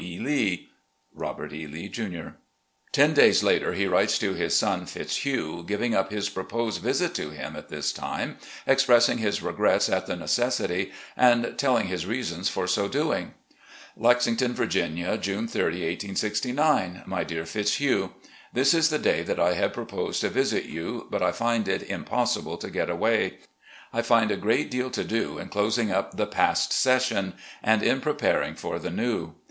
E. Lee. "Robert E. Lee, Jr." Ten days later, he writes to his son, Fitshugh, giving up his proposed visit to him at this time, expressing his regrets at the necessity, and telling his reasons for so doing: "Lexington, Viig^inia, June 30, 1869. " My Dear Fitzhugh: This is the day that I had proposed to visit you, but I find it impossible to get away. I find a great deal to do in closing up the past session and in THE NEW HOME IN LEXINGTON 359 preparing for the new.